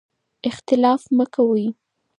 اختلاف مه کوئ.